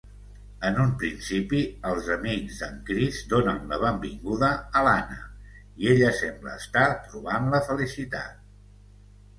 En un principi, els amics d'en Chris donen la benvinguda a l'Anna i ella sembla estar trobant la felicitat.